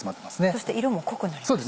そして色も濃くなりましたね。